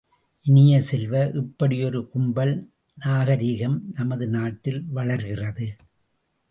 இனிய செல்வ, இப்படி ஒரு கும்பல் நாகரிகம் நமது நாட்டில் வளர்கிறது!